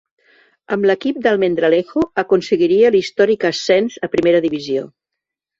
Amb l'equip d'Almendralejo aconseguiria l'històric ascens a primera divisió.